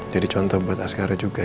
jadi contoh buat askara juga ya